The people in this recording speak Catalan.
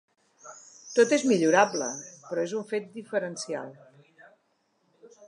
Tot és millorable, però és un fet diferencial.